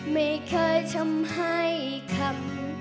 ไม่เคยทำให้คำ